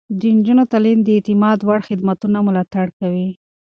د نجونو تعليم د اعتماد وړ خدمتونه ملاتړ کوي.